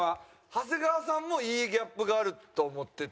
長谷川さんもいいギャップがあると思ってて。